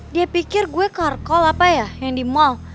dia pikir gue karkol apa ya yang di mall